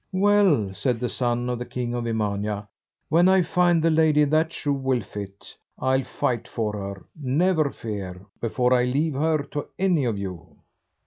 "Well," said the son of the king of Emania, "when I find the lady that shoe will fit, I'll fight for her, never fear, before I leave her to any of you."